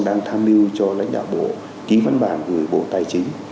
đang tham mưu cho lãnh đạo bộ ký văn bản gửi bộ tài chính